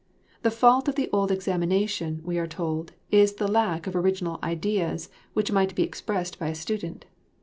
The fault of the old examination, we are told, is the lack of original ideas which might be expressed by a student.